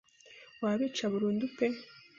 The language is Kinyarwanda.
Wabica burandura pe